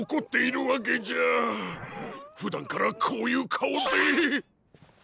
ふだんからこういうかおで。